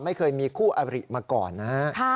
ไม่เคยมีคู่อบริมาก่อนนะฮะ